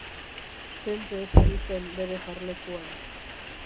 Tente eseri zen bere jarlekuan.